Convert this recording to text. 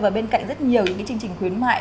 và bên cạnh rất nhiều những chương trình khuyến mại